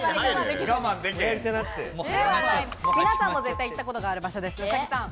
皆さんも絶対行ったことがある場所です、兎さん。